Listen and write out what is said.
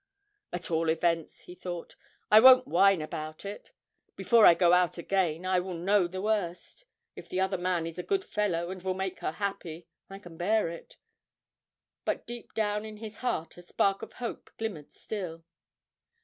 'At all events,' he thought, 'I won't whine about it. Before I go out again I will know the worst. If the other man is a good fellow, and will make her happy, I can bear it.' But deep down in his heart a spark of hope glimmered still.